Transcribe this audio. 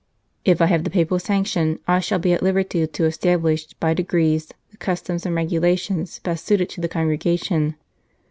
" If I have the Papal sanction, I shall be at liberty to establish by degrees the customs and regulations best suited to the congregation."